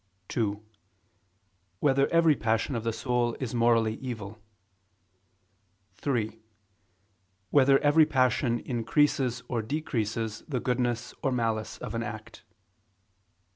(2) Whether every passion of the soul is morally evil? (3) Whether every passion increases or decreases the goodness or malice of an act?